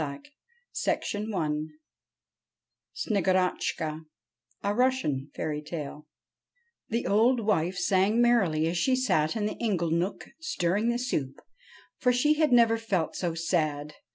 172 SNEGOROTCHKA SNEGOROTCHKA A RUSSIAN FAIRY TALE THE old wife sang merrily as she sat in the inglenook stirring the soup, for she had never felt so sad.